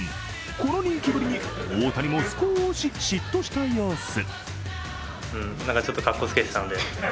この人気ぶりに、大谷も少し嫉妬した様子。